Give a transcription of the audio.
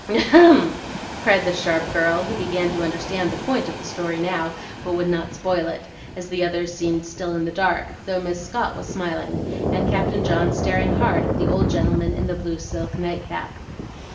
"Ahem!" cried the sharp girl, who began to understand the point of the story now, but would not spoil it, as the others seemed still in the dark, though Miss Scott was smiling, and Captain John staring hard at the old gentleman in the blue silk nightcap.